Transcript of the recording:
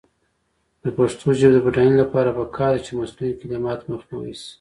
د پښتو ژبې د بډاینې لپاره پکار ده چې مصنوعي کلمات مخنیوی شي.